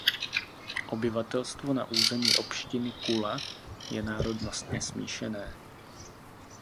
Obyvatelstvo na území opštiny Kula je národnostně smíšené.